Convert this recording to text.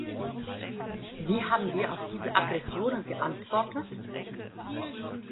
Wie haben wir auf diese Aggressionen geantwortet?